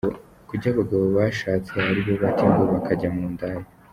Kuki abagabo bashatse aribo bata ingo bakajya mu ndaya?.